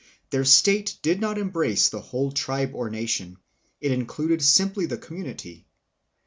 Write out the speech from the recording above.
Their state did not embrace the whole tribe or nation; it included simply the community.